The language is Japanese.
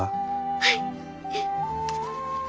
はい！